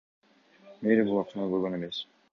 Мэрия бул акчаны көргөн эмес.